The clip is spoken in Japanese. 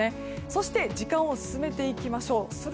そして時間を進めていきます。